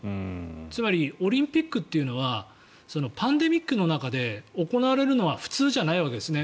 つまり、オリンピックというのはパンデミックの中で行われるのは普通じゃないわけですね。